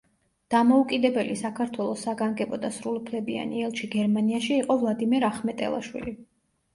დამოუკიდებელი საქართველოს საგანგებო და სრულუფლებიანი ელჩი გერმანიაში იყო ვლადიმერ ახმეტელაშვილი.